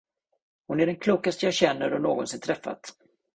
Hon är den klokaste jag känner och någonsin träffat.